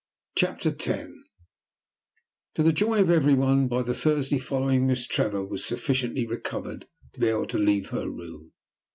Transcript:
CHAPTER X To the joy of every one, by the Thursday following Miss Trevor was sufficiently recovered to be able to leave her room.